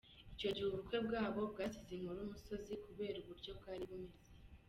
Icyo gihe ubukwe bwabo bwasize inkuru imusozi kubera uburyo bwari buhenze.